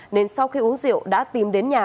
nên sau khi uống rượu đã tìm đến nhà